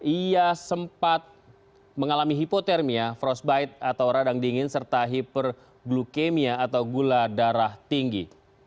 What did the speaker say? ia sempat mengalami hipotermia frostbite atau radang dingin serta hiperblukemia atau gula darah tinggi